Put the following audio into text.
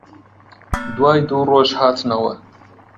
دوای دوو ڕۆژ هاتنەوە